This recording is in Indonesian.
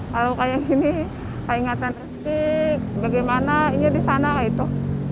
kalau kayak gini keingatan rizky bagaimana ini di sana kayak itu